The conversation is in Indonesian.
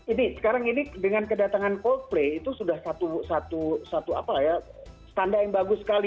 ini sekarang ini dengan kedatangan coldplay itu sudah satu satu apa ya tanda yang bagus sekali